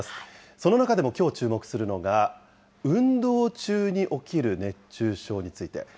その中でもきょう注目するのが、運動中に起きる熱中症について。